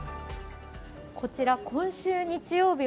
こちら、今週日曜日